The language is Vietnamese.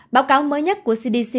báo cáo mới nhất của cdc